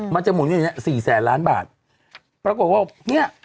มันจะหมุนเวียนเนี่ย๔๐๐๐๐๐บาทปรากฏว่าเนี่ย